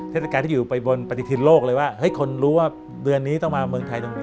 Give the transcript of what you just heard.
เทศกาลที่อยู่ไปบนปฏิทินโลกเลยว่าเฮ้ยคนรู้ว่าเดือนนี้ต้องมาเมืองไทยตรงนี้